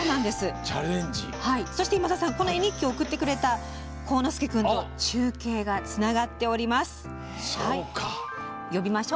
そして、今田さん絵日記を送ってくれた幸之介君と中継がつながっております。